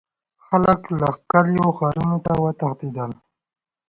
خلک له کلیو څخه ښارونو ته وتښتیدل.